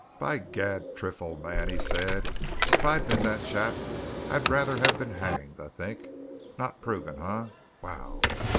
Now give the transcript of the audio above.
"By gad, Triff, old man!" he said. "If I'd been that chap I'd rather have been hanged, I think. Not proven, eh? whew!